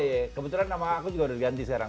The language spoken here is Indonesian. iya kebetulan nama aku juga udah diganti sekarang